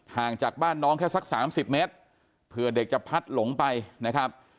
ห่างจากบ้านน้องแค่สักสามสิบเมตรเผื่อเด็กจะพัดหลงไปนะครับ